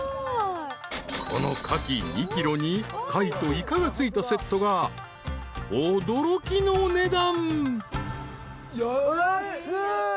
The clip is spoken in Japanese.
［このカキ２ｋｇに貝とイカが付いたセットが驚きのお値段］